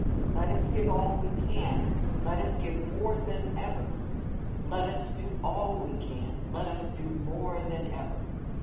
Let us give all we can; let us give more than ever. Let us do all we can; let us do more than ever.